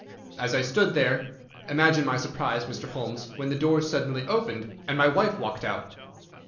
As I stood there, imagine my surprise, Mr. Holmes, when the door suddenly opened and my wife walked out.